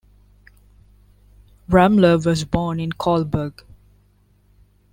Ramler was born in Kolberg.